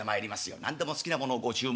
「何でも好きなものをご注文ください」。